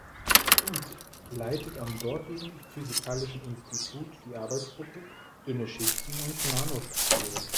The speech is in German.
Huth leitet am dortigen Physikalischen Institut die Arbeitsgruppe „Dünne Schichten und Nanostrukturen“.